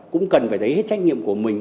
cũng cần phải thấy hết trách nhiệm của mình